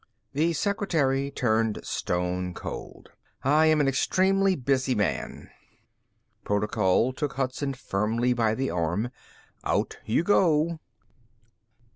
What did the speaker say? The secretary turned stone cold. "I'm an extremely busy man." Protocol took Hudson firmly by the arm. "Out you go."